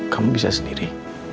kamu bisa sendiri